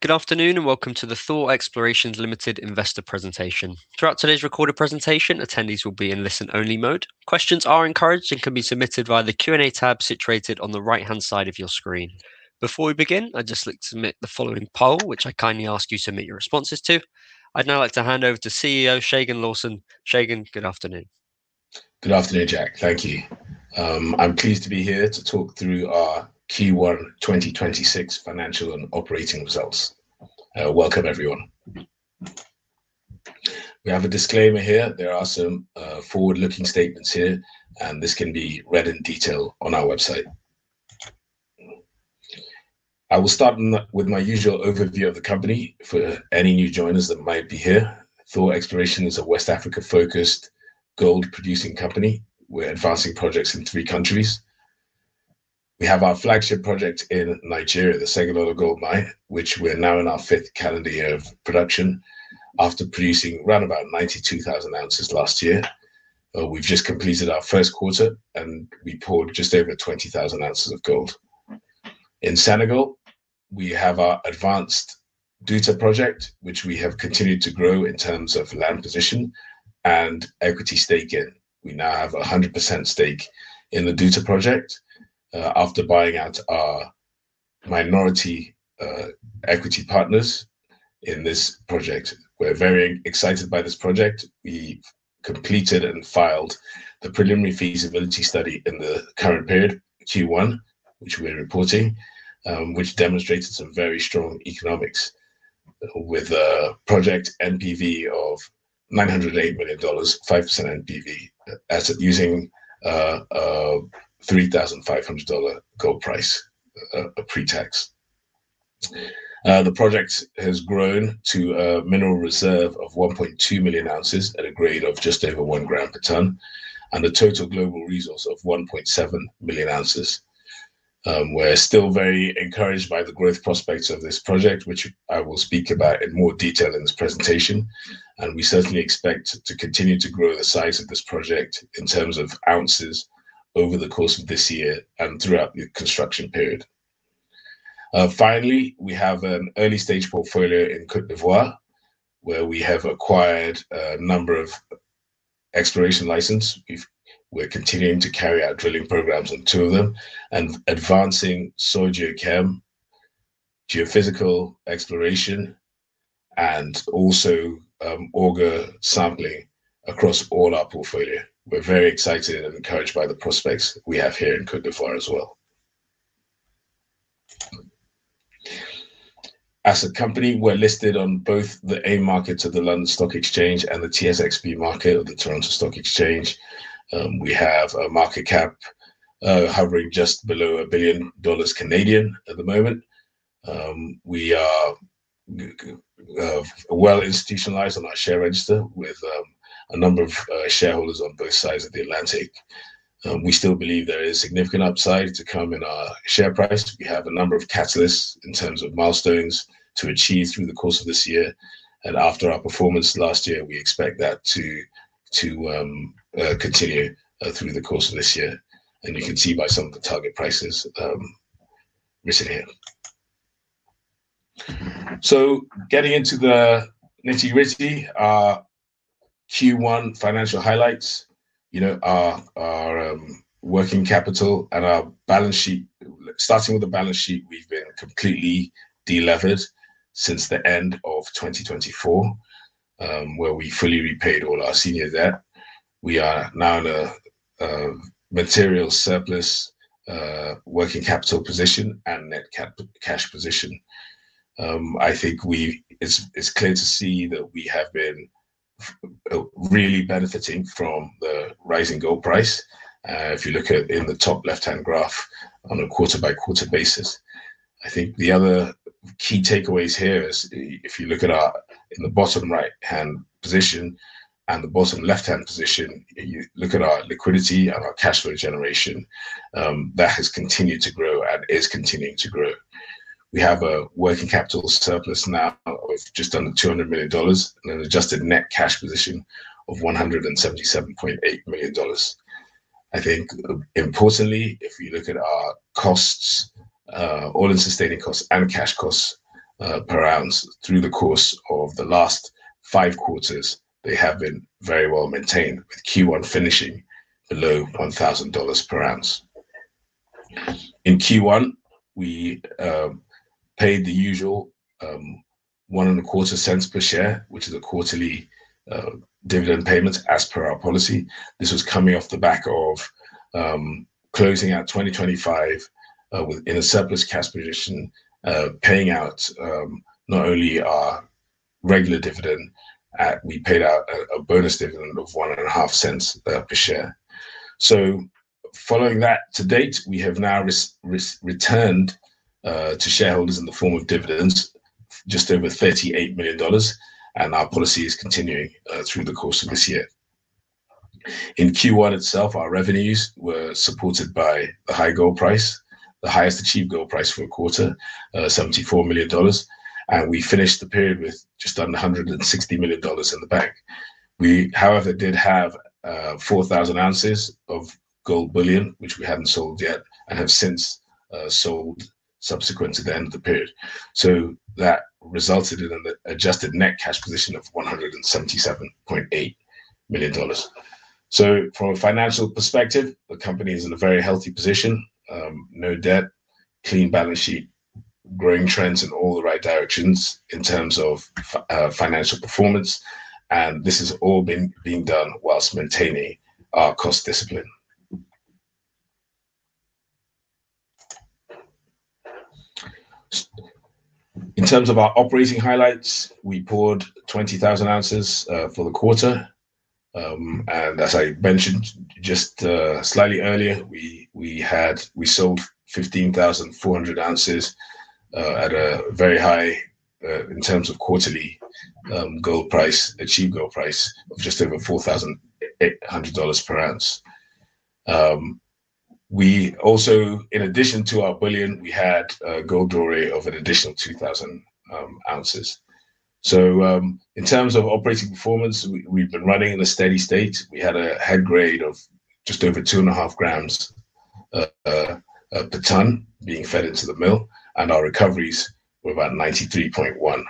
Good afternoon, and welcome to the Thor Explorations Limited Investor Presentation. Throughout today's recorded presentation, attendees will be in listen-only mode. Questions are encouraged and can be submitted via the Q&A tab situated on the right-hand side of your screen. Before we begin, I'd just like to submit the following poll, which I kindly ask you to submit your responses to. I'd now like to hand over to CEO Segun Lawson. Segun, good afternoon. Good afternoon, Jack. Thank you. I'm pleased to be here to talk through our Q1 2026 financial and operating results. Welcome, everyone. We have a disclaimer here. There are some forward-looking statements here, and this can be read in detail on our website. I will start with my usual overview of the company for any new joiners that might be here. Thor Explorations is a West Africa-focused gold producing company. We're advancing projects in three countries. We have our flagship project in Nigeria, the Segilola Gold Mine, which we're now in our fifth calendar year of production after producing around about 92,000 oz last year. We've just completed our first quarter, and we poured just over 20,000 oz of gold. In Senegal, we have our advanced Douta project, which we have continued to grow in terms of land position and equity stake in. We now have 100% stake in the Douta project after buying out our minority equity partners in this project. We're very excited by this project. We completed and filed the preliminary feasibility study in the current period, Q1, which we're reporting, which demonstrated some very strong economics with a project NPV of $908 million, 5% NPV asset using a $3,500 gold price pre-tax. The project has grown to a mineral reserve of 1.2 million oz at a grade of just over one gram per ton, and a total global resource of 1.7 million oz. We're still very encouraged by the growth prospects of this project, which I will speak about in more detail in this presentation. We certainly expect to continue to grow the size of this project in terms of ounces over the course of this year and throughout the construction period. Finally, we have an early-stage portfolio in Côte d'Ivoire, where we have acquired a number of exploration license. We're continuing to carry out drilling programs on two of them and advancing geochem geophysical exploration and also auger sampling across all our portfolio. We're very excited and encouraged by the prospects we have here in Côte d'Ivoire as well. As a company, we're listed on both the AIM Market of the London Stock Exchange and the TSX-V market of the Toronto Stock Exchange. We have a market cap hovering just below 1 billion dollars at the moment. We are well institutionalized on our share register with a number of shareholders on both sides of the Atlantic. We still believe there is significant upside to come in our share price. We have a number of catalysts in terms of milestones to achieve through the course of this year, and after our performance last year, we expect that to continue through the course of this year, and you can see by some of the target prices listed here. Getting into the nitty-gritty, our Q1 financial highlights. Our working capital and our balance sheet. Starting with the balance sheet, we've been completely delevered since the end of 2024, where we fully repaid all our senior debt. We are now in a material surplus working capital position and net cash position. I think it's clear to see that we have been really benefiting from the rising gold price. If you look at in the top left-hand graph on a quarter-by-quarter basis. I think the other key takeaways here is if you look in the bottom right-hand position and the bottom left-hand position, you look at our liquidity and our cash flow generation, that has continued to grow and is continuing to grow. We have a working capital surplus now of just under $200 million and an adjusted net cash position of $177.8 million. I think importantly, if you look at our costs, all-in sustaining costs and cash costs per ounce through the course of the last five quarters, they have been very well maintained. Q1 finishing below $1,000 per oz. In Q1, we paid the usual $0.0125 per share, which is a quarterly dividend payment as per our policy. This was coming off the back of closing out 2025 in a surplus cash position, paying out not only our regular dividend, and we paid out a bonus dividend of $0.015 per share. Following that to date, we have now returned to shareholders in the form of dividends just over $38 million, and our policy is continuing through the course of this year. In Q1 itself, our revenues were supported by the high gold price, the highest achieved gold price for a quarter, $74 million, and we finished the period with just under $160 million in the bank. We, however, did have 4,000 oz of gold bullion, which we hadn't sold yet, and have since sold subsequent to the end of the period. That resulted in an adjusted net cash position of $177.8 million. From a financial perspective, the company is in a very healthy position. No debt, clean balance sheet, growing trends in all the right directions in terms of financial performance. This has all been done while maintaining our cost discipline. In terms of our operating highlights, we poured 20,000 oz for the quarter. As I mentioned just slightly earlier, we sold 15,400 oz at a very high, in terms of quarterly gold price, achieved gold price of just over $4,800 per oz. We also, in addition to our bullion, we had gold doré of an additional 2,000 oz. In terms of operating performance, we've been running in a steady state. We had a head grade of just over two and a half grams per ton being fed into the mill. Our recoveries were about 93.1%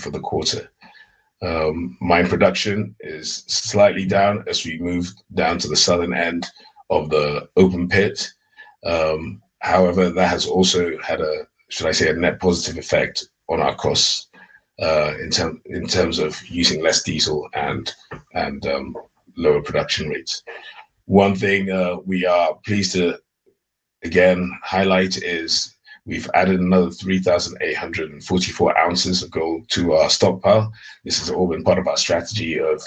for the quarter. Mine production is slightly down as we move down to the southern end of the open pit. That has also had a net positive effect on our costs, in terms of using less diesel and lower production rates. One thing we are pleased to highlight is we've added another 3,844 oz of gold to our stockpile. This has all been part of our strategy of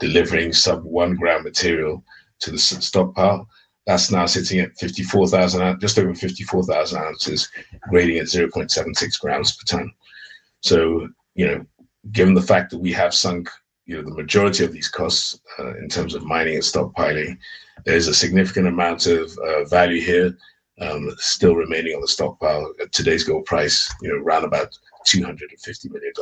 delivering sub one-gram material to the stockpile. That's now sitting at just over 54,000 oz, grading at 0.76 g per tonne. Given the fact that we have sunk the majority of these costs, in terms of mining and stockpiling, there's a significant amount of value here still remaining on the stockpile at today's gold price, around about $250 million.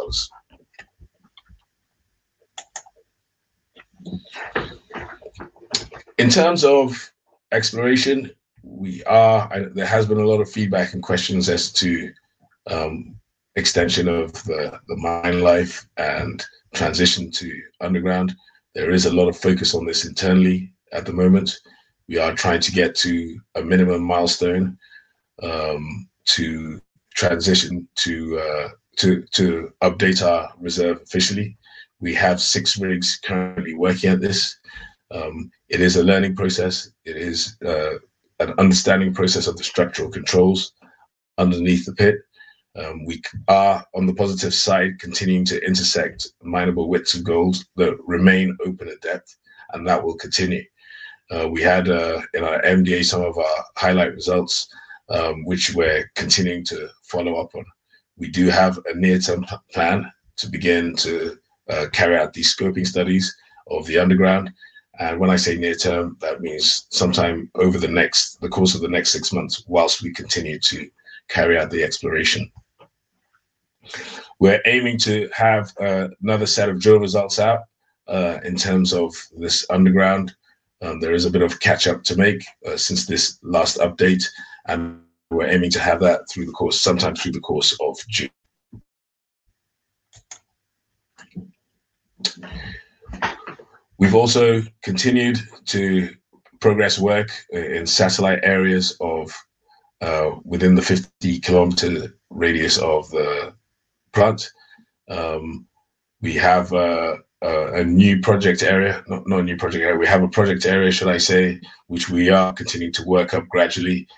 In terms of exploration, there has been a lot of feedback and questions as to extension of the mine life and transition to underground. There is a lot of focus on this internally at the moment. We are trying to get to a minimum milestone to transition to update our reserve officially. We have six rigs currently working at this. It is a learning process. It is an understanding process of the structural controls underneath the pit. We are, on the positive side, continuing to intersect mineable widths of gold that remain open at depth, and that will continue. We had, in our MD&A, some of our highlight results, which we're continuing to follow up on. We do have a near-term plan to begin to carry out these scoping studies of the underground. When I say near-term, that means sometime over the course of the next six months, whilst we continue to carry out the exploration. We're aiming to have another set of drill results out, in terms of this underground. There is a bit of catch up to make since this last update. We're aiming to have that sometime through the course of June. We've also continued to progress work in satellite areas within the 50 km radius of the plant. We have a project area, should I say, which we are continuing to work up gradually,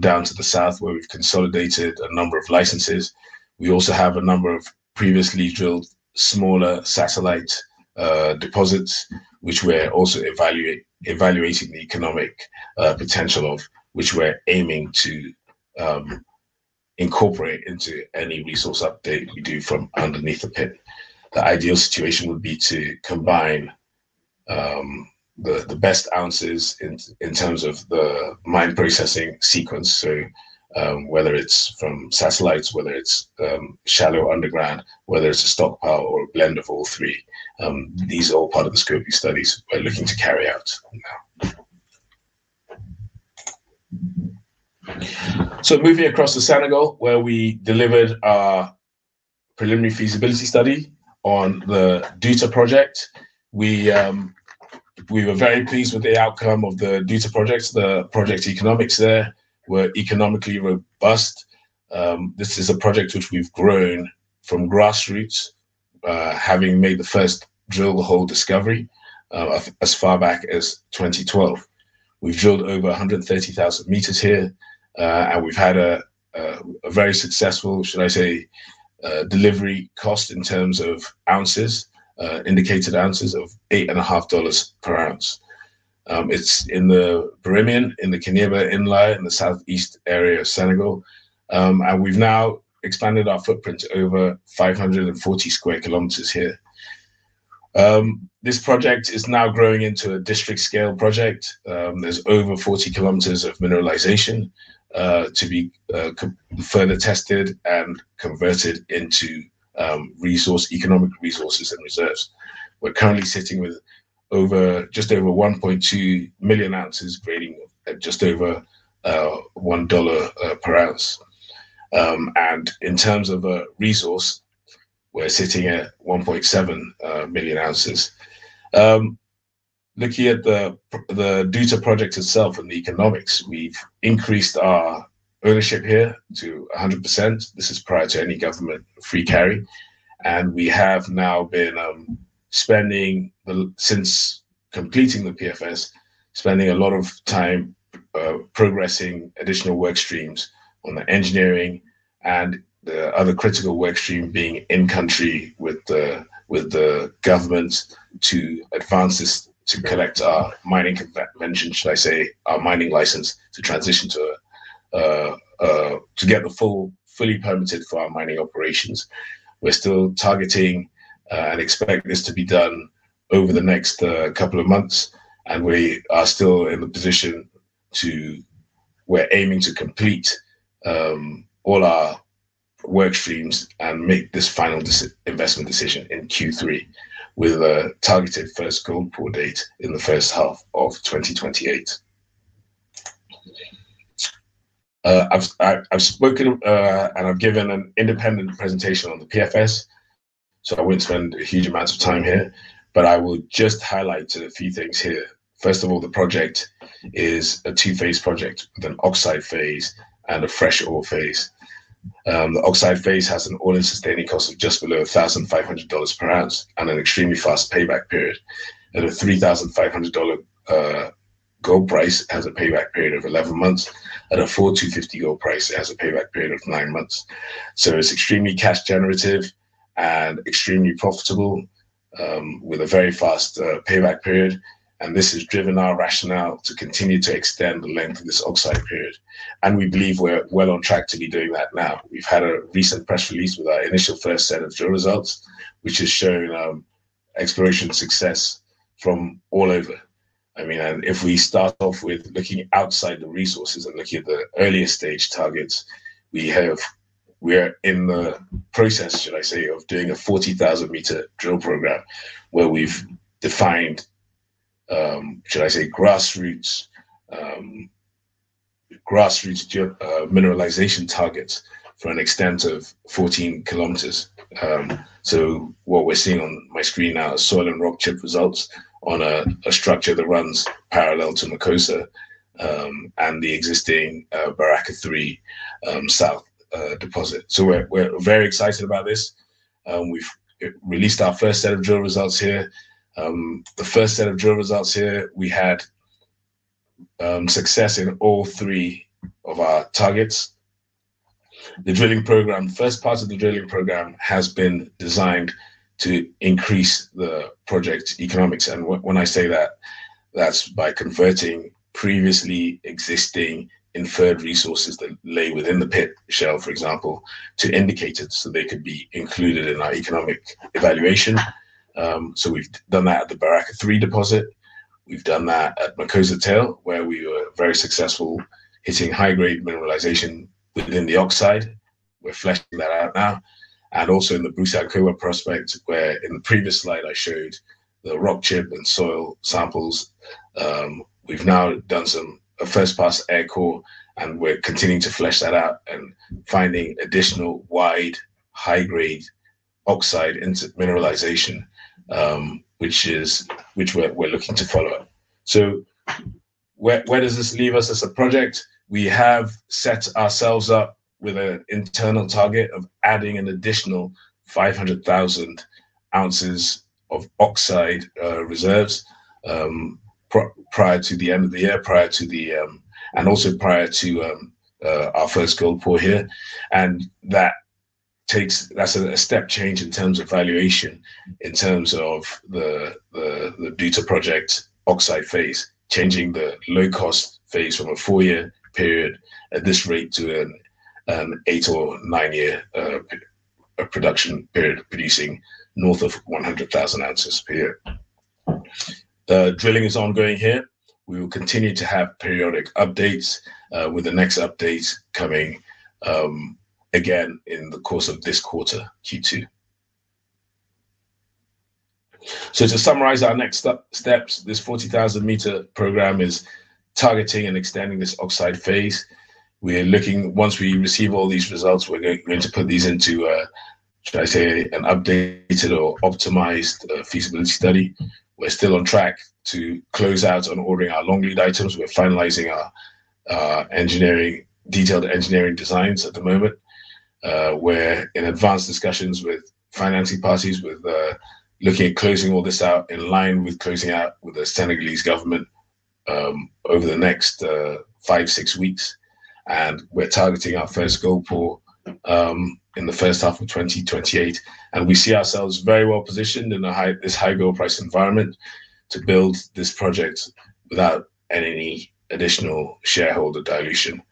down to the south, where we've consolidated a number of licenses. We also have a number of previously drilled smaller satellite deposits, which we're also evaluating the economic potential of. Which we're aiming to incorporate into any resource update we do from underneath the pit. The ideal situation would be to combine the best ounces in terms of the mine processing sequence. Whether it's from satellites, whether it's shallow underground, whether it's a stockpile or a blend of all three. These are all part of the scoping studies we're looking to carry out now. Moving across to Senegal, where we delivered our preliminary feasibility study on the Douta Project. We were very pleased with the outcome of the Douta Project. The project economics there were economically robust. This is a project which we've grown from grassroots, having made the first drill hole discovery as far back as 2012. We've drilled over 130,000 m here. We've had a very successful, should I say, disvery cost in terms of ounces, indicated ounces of $8.50 per ounce. It's in the Birimian, in the Kéniéba Inlier, in the southeast area of Senegal. We've now expanded our footprint over 540 sq km here. This project is now growing into a district scale project. There's over 40 km of mineralization to be further tested and converted into resource, economic resources and reserves. We're currently sitting with just over 1.2 million oz grading at just over $1 per oz. In terms of a resource, we're sitting at 1.7 million oz. Looking at the Douta Project itself and the economics, we've increased our ownership here to 100%. This is prior to any government free carry, we have now been spending, since completing the PFS, spending a lot of time progressing additional work streams on the engineering and the other critical work stream being in country with the government to advance this to collect our mining license to transition to get the fully permitted for our mining operations. We're still targeting and expect this to be done over the next couple of months. We're aiming to complete all our work streams and make this final investment decision in Q3 with a targeted first gold pour date in the first half of 2028. I've spoken and I've given an independent presentation on the PFS. I won't spend a huge amount of time here. I would just highlight a few things here. First of all, the project is a II-phase project with an oxide phase and a fresh ore phase. The oxide phase has an all-in sustaining cost of just below $1,500 per oz and an extremely fast payback period. A $3,500 gold price has a payback period of 11 months and a $4,250 gold price has a payback period of nine months. It's extremely cash generative and extremely profitable, with a very fast payback period. This has driven our rationale to continue to extend the length of this oxide period. We believe we're well on track to be doing that now. We've had a recent press release with our initial first set of drill results, which has shown exploration success from all over. If we start off with looking outside the resources and looking at the earlier stage targets we have, we are in the process, should I say, of doing a 40,000 m drill program where we've defined, should I say, grassroots mineralization targets for an extent of 14 km. What we're seeing on my screen now is soil and rock chip results on a structure that runs parallel to Makossa, and the existing Baraka 3 south deposit. We're very excited about this, and we've released our first set of drill results here. The first set of drill results here, we had success in all three of our targets. The first part of the drilling program has been designed to increase the project's economics. When I say that's by converting previously existing inferred resources that lay within the pit shell, for example, to indicated so they could be included in our economic evaluation. We've done that at the Baraka 3 deposit. We've done that at Makossa Tail where we were very successful hitting high-grade mineralization within the oxide. We're fleshing that out now and also in the Boussakou prospect where in the previous slide I showed the rock chip and soil samples. We've now done a first pass air core, and we're continuing to flesh that out and finding additional wide, high-grade oxide mineralization, which we're looking to follow up. Where does this leave us as a project? We have set ourselves up with an internal target of adding an additional 500,000 oz of oxide reserves prior to the end of the year, and also prior to our first gold pour here. That's a step change in terms of valuation, in terms of the Douta project oxide phase, changing the low-cost phase from a four-year period at this rate to an eight or nine-year production period, producing north of 100,000 oz per year. Drilling is ongoing here. We will continue to have periodic updates, with the next update coming again in the course of this quarter, Q2. To summarize our next steps, this 40,000 m program is targeting and extending this oxide phase. Once we receive all these results, we're going to put these into a, should I say, an updated or optimized feasibility study. We're still on track to close out on ordering our long-lead items. We're finalizing our detailed engineering designs at the moment. We're in advanced discussions with financing parties, with looking at closing all this out in line with closing out with the Senegalese government over the next five, six weeks. We're targeting our first gold pour in the first half of 2028. We see ourselves very well-positioned in this high gold price environment to build this project without any additional shareholder dilution,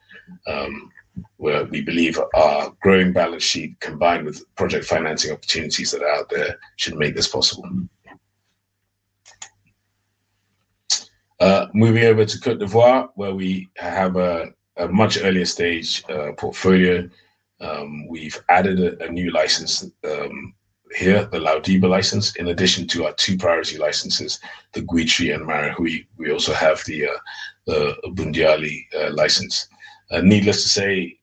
where we believe our growing balance sheet combined with project financing opportunities that are out there should make this possible. Moving over to Côte d'Ivoire, where we have a much earlier stage portfolio. We've added a new license here, the Laou Diba license. In addition to our two priority licenses, the Guitry and Marahui. We also have the Boundiali license. Needless to say,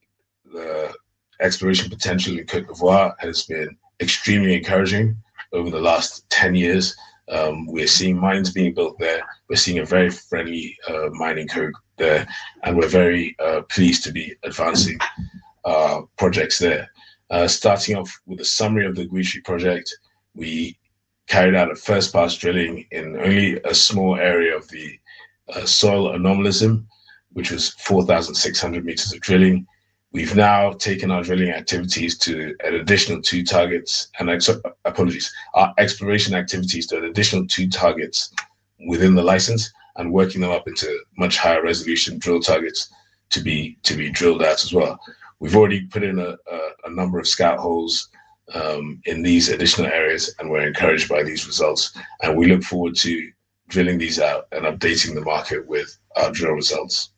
the exploration potential in Côte d'Ivoire has been extremely encouraging over the last 10 years. We're seeing mines being built there. We're seeing a very friendly mining code there, and we're very pleased to be advancing projects there. Starting off with a summary of the Guitry project, we carried out a first-pass drilling in only a small area of the soil anomalism, which was 4,600 m of drilling. We've now taken our exploration activities to an additional two targets within the license and working them up into much higher resolution drill targets to be drilled there as well. We've already put in a number of scout holes in these additional areas, and we're encouraged by these results, and we look forward to drilling these out and updating the market with our drill results.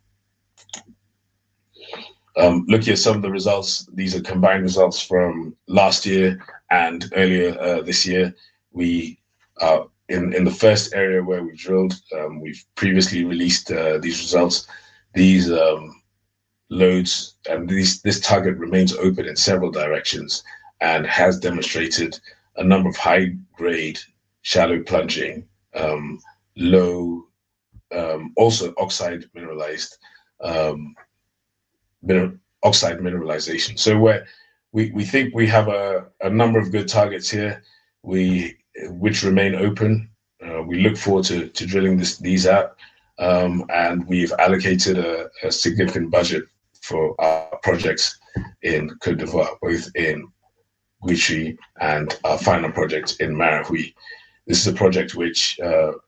Looking at some of the results, these are combined results from last year and earlier this year. In the first area where we drilled, we've previously released these results. These lodes and this target remains open in several directions and has demonstrated a number of high-grade, shallow plunging, also oxide mineralization. We think we have a number of good targets here which remain open. We look forward to drilling these out. We've allocated a significant budget for our projects in Côte d'Ivoire, both in Guitry and our final project in Marahui. This is a project which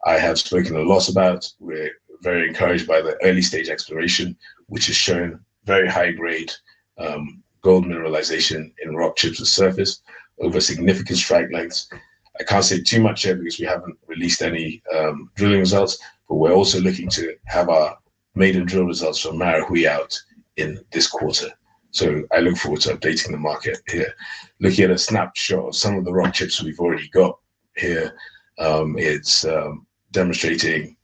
I have spoken a lot about. We're very encouraged by the early-stage exploration, which has shown very high-grade gold mineralization in rock chips and surface over significant strike lengths. I can't say too much here because we haven't released any drilling results, but we're also looking to have our maiden drill results from Marahui out in this quarter. I look forward to updating the market here. Looking at a snapshot of some of the rock chips we've already got here. It's demonstrating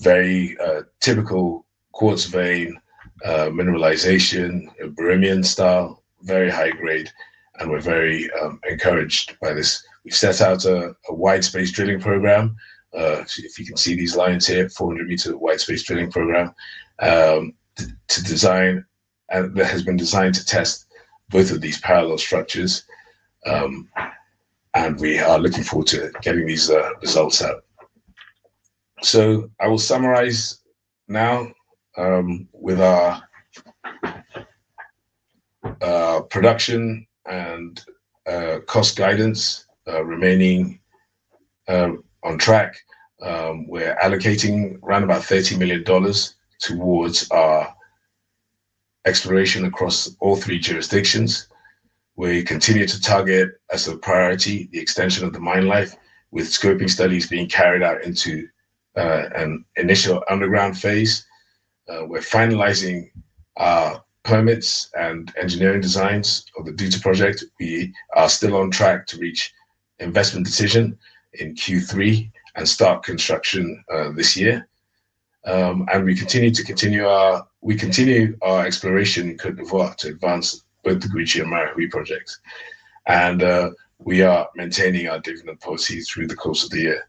very typical quartz vein mineralization, a Birimian style, very high grade, and we're very encouraged by this. We set out a wide-space drilling program. If you can see these lines here, 400 m wide-space drilling program that has been designed to test both of these parallel structures. We are looking forward to getting these results out. I will summarize now with our production and cost guidance remaining on track. We're allocating around about $30 million towards our exploration across all three jurisdictions. We continue to target as a priority the extension of the mine life with scoping studies being carried out into an initial underground phase. We're finalizing our permits and engineering designs of the Douta project. We are still on track to reach investment decision in Q3 and start construction this year. We continue our exploration in Côte d'Ivoire to advance both the Guitry and Marahui projects. We are maintaining our dividend policy through the course of the year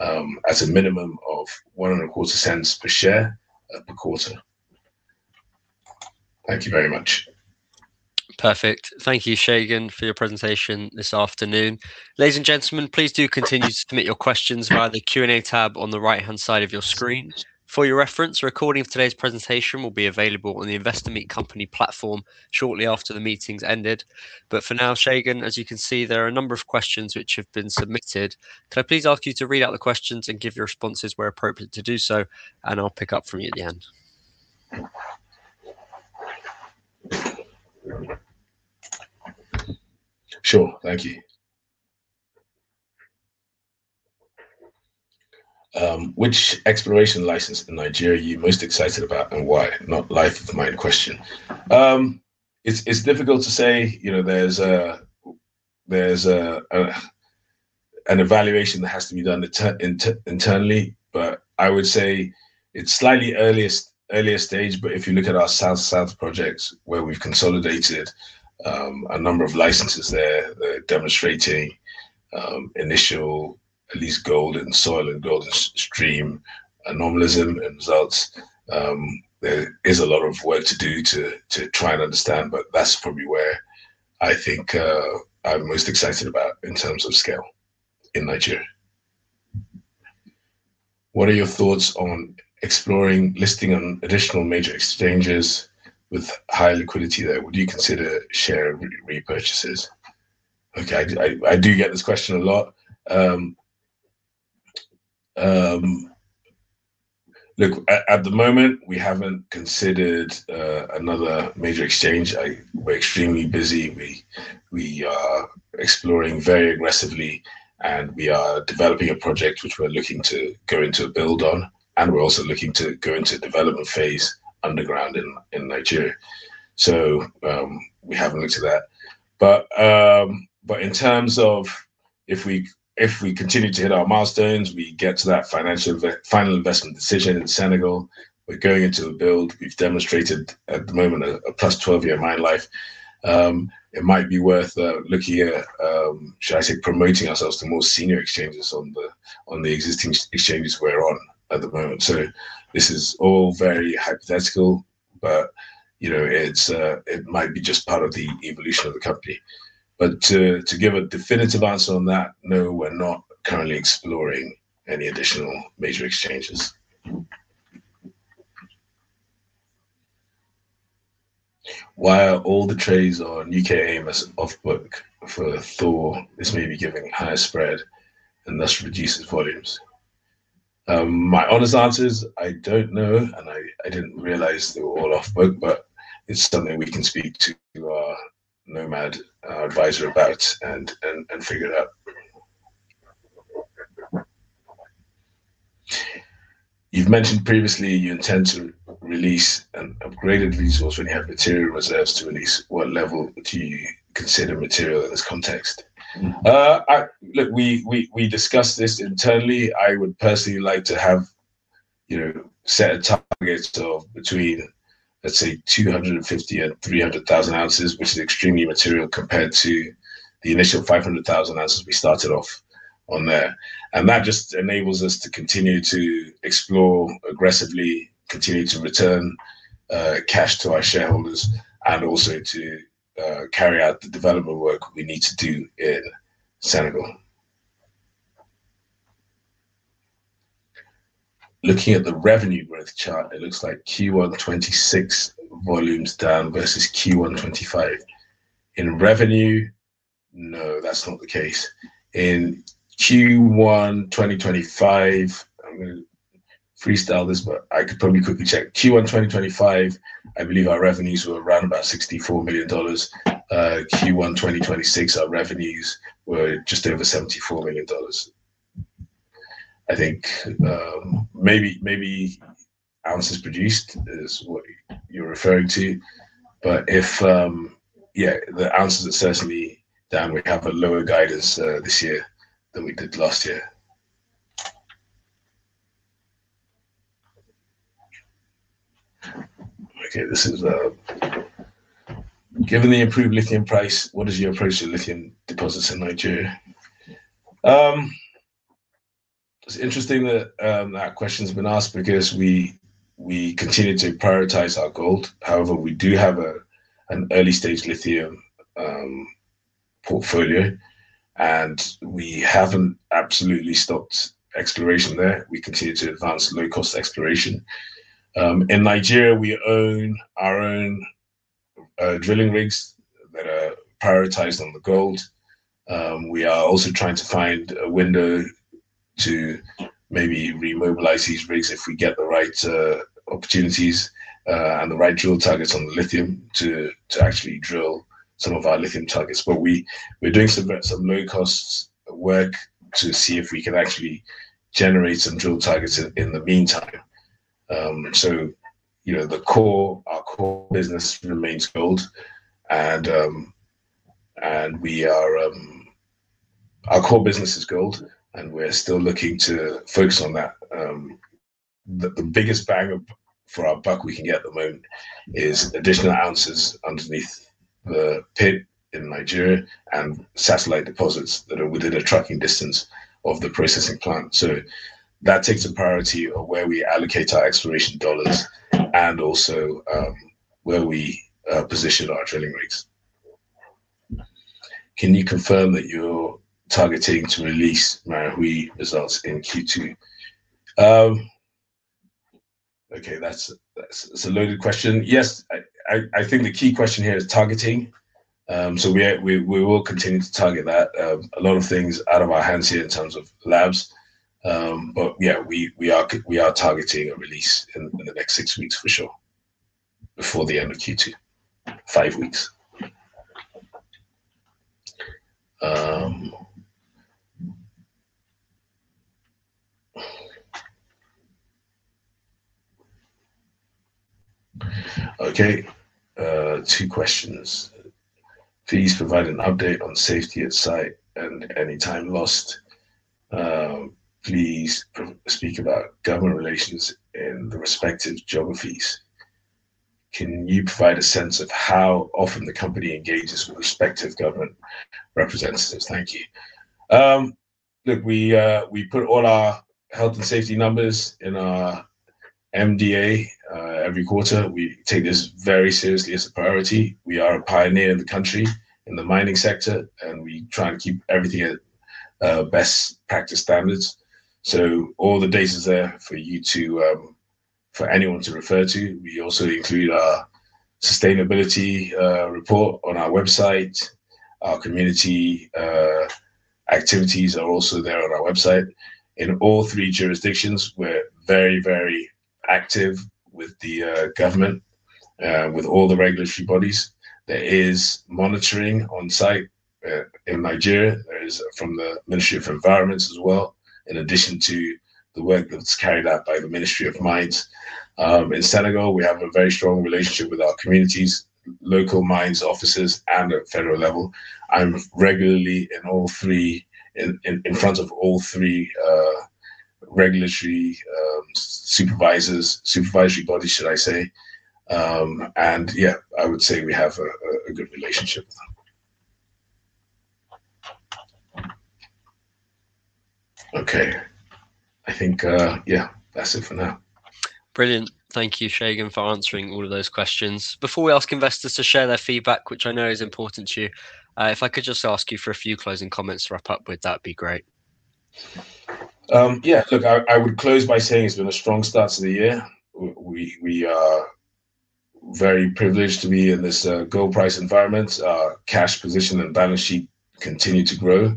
at a minimum of $0.0125 per share per quarter. Thank you very much. Perfect. Thank you, Segun, for your presentation this afternoon. Ladies and gentlemen, please do continue to submit your questions via the Q&A tab on the right-hand side of your screen. For your reference, a recording of today's presentation will be available on the Investor Meet Company platform shortly after the meeting's ended. For now, Segun, as you can see, there are a number of questions which have been submitted. Can I please ask you to read out the questions and give your responses where appropriate to do so, and I'll pick up from you at the end? Sure. Thank you. Which exploration license in Nigeria are you most excited about and why? Not life of mine question. It's difficult to say. There's an evaluation that has to be done internally, but I would say it's slightly earlier stage. If you look at our south projects where we've consolidated a number of licenses there that are demonstrating initial at least gold in soil and gold in stream anomalism and results. There is a lot of work to do to try and understand, but that's probably where I think I'm most excited about in terms of scale in Nigeria. What are your thoughts on exploring listing on additional major exchanges with high liquidity there? Would you consider share repurchases? Okay. I do get this question a lot. At the moment, we haven't considered another major exchange. We're extremely busy. We are exploring very aggressively, and we are developing a project which we're looking to go into a build on, and we're also looking to go into a development phase underground in Nigeria. We haven't looked at that. In terms of if we continue to hit our milestones, we get to that final investment decision in Senegal. We're going into a build. We've demonstrated at the moment a +12-year mine life. It might be worth looking at, should I say, promoting ourselves to more senior exchanges on the existing exchanges we're on at the moment. This is all very hypothetical, but it might be just part of the evolution of the company. To give a definitive answer on that, no, we're not currently exploring any additional major exchanges. Why are all the trades on U.K. AIM off-book for Thor? It's maybe giving higher spread and thus reduces volumes. My honest answer is I don't know, and I didn't realize they were all off-book, but it's something we can speak to our Nomad adviser about and figure it out. You've mentioned previously you intend to release upgraded resource when you have material reserves to release. What level do you consider material in this context? Look, we discussed this internally. I would personally like to have set targets of between, let's say, 250 and 300,000 oz, which is extremely material compared to the initial 500,000 oz we started off on there. That just enables us to continue to explore aggressively, continue to return cash to our shareholders, and also to carry out the development work we need to do in Senegal. Looking at the revenue growth chart, it looks like Q1 2026 volumes down versus Q1 2025. In revenue? No, that's not the case. In Q1 2025, I'm going to freestyle this, but I could probably quickly check. Q1 2025, I believe our revenues were around about $64 million. Q1 2026, our revenues were just over $74 million. I think maybe ounces produced is what you're referring to. Yeah, the ounces are certainly down. We have a lower guidance this year than we did last year. Given the improved lithium price, what is your approach to lithium deposits in Nigeria? It's interesting that question's been asked because we continue to prioritize our gold. We do have an early-stage lithium portfolio, and we haven't absolutely stopped exploration there. We continue to advance low-cost exploration. In Nigeria, we own our own drilling rigs that are prioritized on the gold. We are also trying to find a window to maybe remobilize these rigs if we get the right opportunities and the right drill targets on the lithium to actually drill some of our lithium targets. We're doing some low-cost work to see if we can actually generate some drill targets in the meantime. Our core business remains gold, Our core business is gold, and we're still looking to focus on that. The biggest bang for our buck we can get at the moment is additional ounces underneath the pit in Nigeria and satellite deposits that are within a trucking distance of the processing plant. That takes a priority of where we allocate our exploration dollars and also where we position our drilling rigs. Can you confirm that you're targeting to release Marahui results in Q2? Okay. That's a loaded question. Yes. I think the key question here is targeting. Yeah, we will continue to target that. A lot of things out of our hands here in terms of labs. Yeah, we are targeting a release in the next six weeks for sure, before the end of Q2, five weeks. Okay, two questions. Please provide an update on safety at site and any time lost. Please speak about government relations in the respective geographies. Can you provide a sense of how often the company engages with respective government representatives? Thank you. We put all our health and safety numbers in our MDA every quarter. We take this very seriously as a priority. We are a pioneer in the country, in the mining sector, and we try and keep everything at best practice standards. All the data's there for anyone to refer to. We also include our sustainability report on our website, our community activities are also there on our website. In all three jurisdictions, we're very active with the government, with all the regulatory bodies. There is monitoring on site in Nigeria. There is from the Ministry of Environment as well, in addition to the work that's carried out by the Ministry of Mines. In Senegal, we have a very strong relationship with our communities, local mines offices, and at federal level. I'm regularly in front of all three regulatory supervisory bodies, should I say. Yeah, I would say we have a good relationship. Okay. I think, yeah, that's it for now. Brilliant. Thank you, Segun, for answering all of those questions. Before we ask investors to share their feedback, which I know is important to you, if I could just ask you for a few closing comments to wrap up with, that would be great. Yeah. Look, I would close by saying it's been a strong start to the year. We are very privileged to be in this gold price environment. Our cash position and balance sheet continue to grow.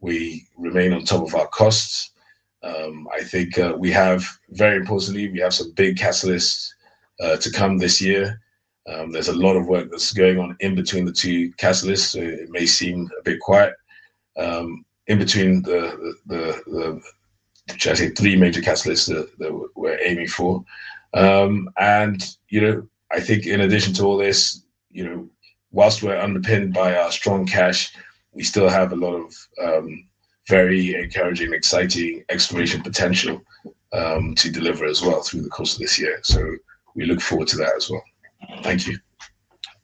We remain on top of our costs. I think very importantly, we have some big catalysts to come this year. There's a lot of work that's going on in between the two catalysts, so it may seem a bit quiet. In between the, should I say, three major catalysts that we're aiming for. I think in addition to all this, whilst we're underpinned by our strong cash, we still have a lot of very encouraging, exciting exploration potential to deliver as well through the course of this year. We look forward to that as well. Thank you.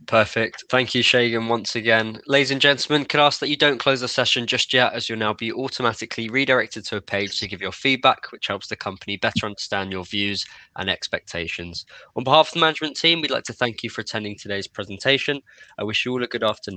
Perfect. Thank you, Segun, once again. Ladies and gentlemen, can I ask that you don't close the session just yet, as you'll now be automatically redirected to a page to give your feedback, which helps the company better understand your views and expectations. On behalf of the management team, we'd like to thank you for attending today's presentation. I wish you all a good afternoon